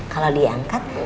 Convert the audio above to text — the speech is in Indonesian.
kalau dia angkat